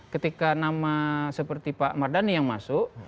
ketika nama seperti pak mardhani yang masuk